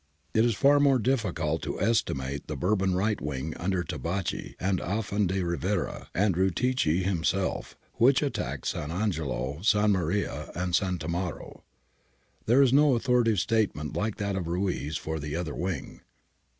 It is far more difficult to estimate the Bourbon right wing under Tabacchi and Afan de Rivera (and Ritucci himself) which attacked S. Angelo, S. Maria, and S. Tammaro. There is no authoritative statement like that of Ruiz for the other wing.